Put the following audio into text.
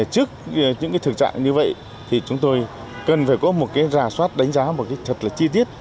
trước những thường trạng như vậy chúng tôi cần phải có một rà soát đánh giá thật chi tiết